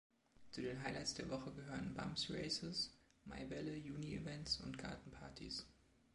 Zu den Highlights der Woche gehören Bumps races, Maibälle, Juni-Events und Gartenparties.